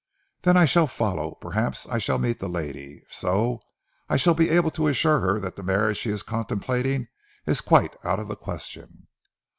"Then I shall follow! Perhaps I shall meet the lady; if so, I shall be able to assure her that the marriage she is contemplating is quite out of the question."